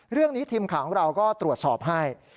เรื่องนี้ทีมข่าวของเราก็ตรวจสอบให้